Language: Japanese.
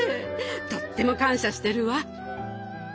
とっても感謝してるわ。